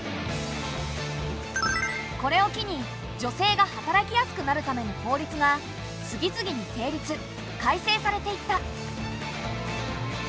これを機に女性が働きやすくなるための法律が次々に成立改正されていった。